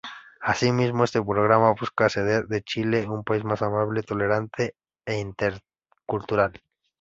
Asimismo, este programa busca hacer de Chile un país más amable, tolerante e intercultural.